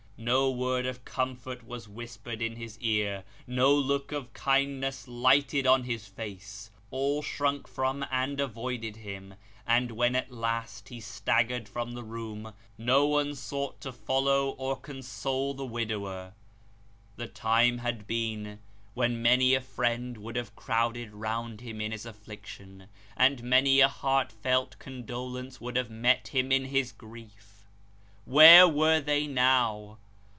No word of comfort was whispered in his ear, no look of kindness lighted on his face. All shrunk from and avoided him ; and when at last he staggered from the room, no one sought to follow or console the widower. The time had been when many a friend would have crowded round him in his affliction, and many a heartfelt condolence would have met him in his grief. Where were they now